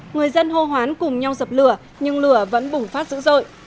người dân hô hoán cùng nhau dập lửa nhưng lửa vẫn bùng phát dữ dội